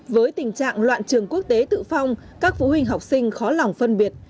với tình trạng loạn trường quốc tế tự phong các phụ huynh học sinh khó lòng phân biệt